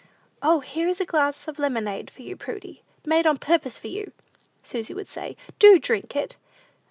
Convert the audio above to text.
"O, here is a glass of lemonade for you, Prudy; made on purpose for you," Susy would say; "do drink it!"